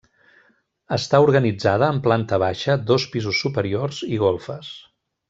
Està organitzada en planta baixa, dos pisos superiors i golfes.